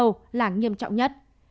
thuốc sâu là nghiêm trọng nhất